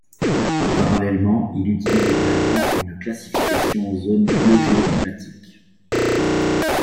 Parallèlement, il utilise également une classification en zones bio-géoclimatiques.